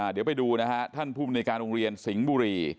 เดี๋ยวไปดูนะครับท่านผู้อำนวยการโรงเรียนสิงห์บุรี